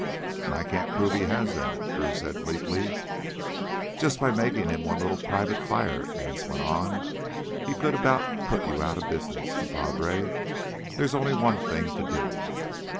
"And I can't prove he has them," Drew said bleakly. "Jus' by makin' him one little private fire," Anse went on, "he could about put you outta business, compadre. There's only one thing to do."